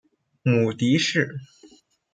母翟氏。